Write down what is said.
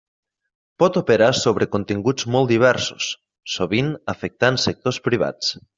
Pot operar sobre continguts molt diversos, sovint afectant sectors privats.